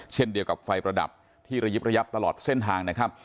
เช่นเดียวกับไฟประดับที่ระยิบระยับตลอดเส้นทางนะครับ